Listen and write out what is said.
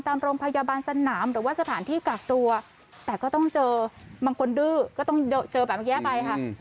ตามโรงพยาบาลสนามหรือว่าสถานที่กักตัวแต่ก็ต้องเจอบางคนดื้อก็ต้องเจอแบบนี้ไปค่ะ